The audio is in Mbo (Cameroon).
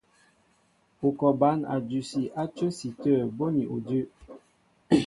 Ú kɔ bǎn a dʉsi á cə́si tə̂ bóni udʉ́.